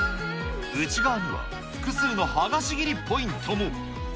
内側には複数の剥がし切りポイントも。